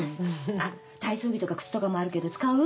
あっ体操着とか靴とかもあるけど使う？